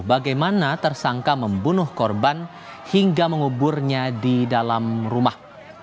bagaimana tersangka membunuh korban hingga menguburnya di dalam rumah